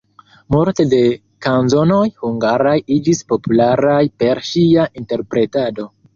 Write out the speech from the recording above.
Multe de kanzonoj hungaraj iĝis popularaj per ŝia interpretado.